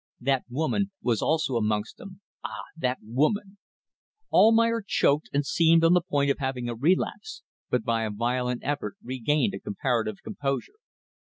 That woman was also amongst them. Ah, that woman ..." Almayer choked, and seemed on the point of having a relapse, but by a violent effort regained a comparative composure.